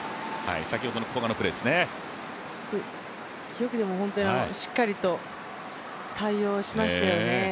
よくしっかりと対応しましたよね。